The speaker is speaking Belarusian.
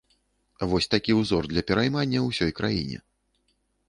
Вось такі ўзор для пераймання ўсёй краіне.